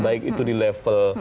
baik itu di level